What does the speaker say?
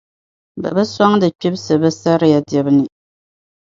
Bɛ bi sɔŋdi kpibisi bɛ saria dibu ni.